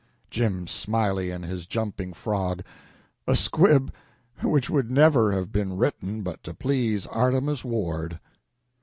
"Jim Smiley and his Jumping Frog" a squib which would never have been written but to please Artemus Ward.